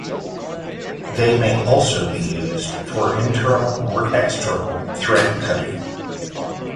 They may also be used for internal or external thread cutting.